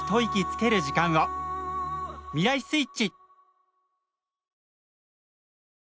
未来スイッチ！